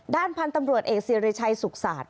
ด้านพันธุ์ตำรวจเอกสิริชัยสุขศาสตร์